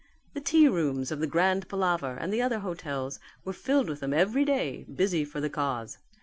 The tea rooms of the Grand Palaver and the other hotels were filled with them every day, busy for the cause.